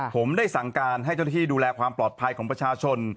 ผมได้สั่งการให้เจ้าหน้าที่ดูแลความปลอดภัยของประชาชน